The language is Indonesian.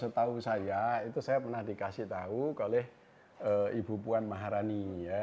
setahu saya itu saya pernah dikasih tahu oleh ibu puan maharani